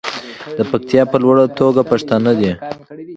د پکتیکا په لوړه توګه پښتانه دي.